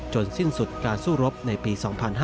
สิ้นสุดการสู้รบในปี๒๕๕๙